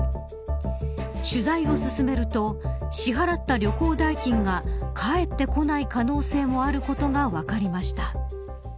取材を進めると支払った旅行代金が返ってこない可能性もあることが分かりました。